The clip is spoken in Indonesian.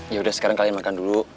yaudah sekarang kalian makan dulu